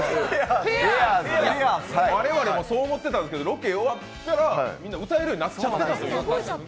我々もそう思ってたんですけど、ロケ終わったらみんな歌えるようになっちゃう。